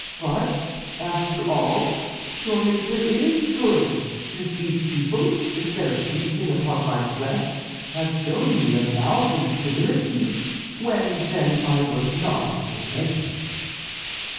But, after all, pure nature is good, since these people, instead of feasting upon my flesh, have shown me a thousand civilities, when then I was not a Jesuit."